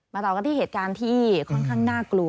ต่อกันที่เหตุการณ์ที่ค่อนข้างน่ากลัว